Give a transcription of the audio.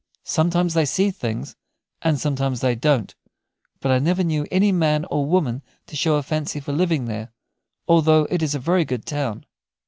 Sometimes they see things and sometimes they don't. But I never knew any man or woman to show a fancy for living there, although it is a very good town."